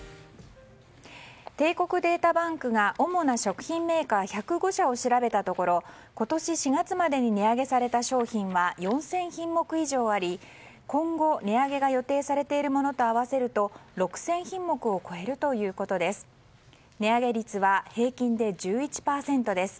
帝国データバンクが主な食品メーカー１０５社を調べたところ今年４月までに値上げされた商品は４０００品目以上あり今後、値上げが予定されているものと合わせると６０００品目を超えるということです。